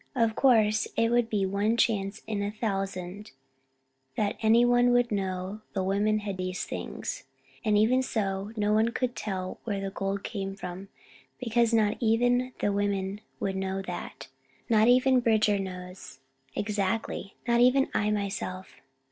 Of course, it would be one chance in a thousand that any one would know the women had these things, and even so no one could tell where the gold came from, because not even the women would know that; not even Bridger does, exactly; not even I myself.